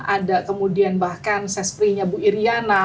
ada kemudian bahkan sesprinya bu iryana